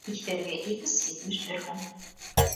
Иҫәргә икс етмеш бер һум.